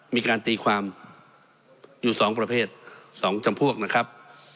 มีการตีความอยู่๒ประเภท๒จำพวกนะครับ